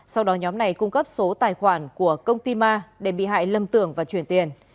sau đó nhóm này cung cấp số tài khoản của công ty ma để bị hại lầm tưởng và chuyển tiền